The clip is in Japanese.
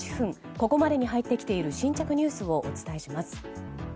ここまでに入ってきている新着ニュースをお伝えします。